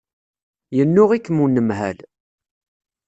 Yennuɣ-ikem unemhal.